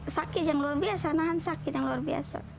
sakit yang luar biasa nahan sakit yang luar biasa